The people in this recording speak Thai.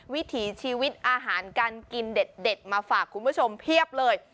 วิถีชีวิตอาหารการกินเด็ดมาฝากคุณผู้ชมเพียบเลย